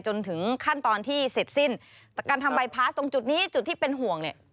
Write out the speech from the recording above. จนถึงขั้นตอนที่เสร็จสิ้นแต่การทำใบพาสตรงจุดนี้จุดที่เป็นห่วงเนี่ย